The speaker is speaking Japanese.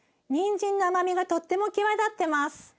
にんじんの甘みがとっても際立ってます。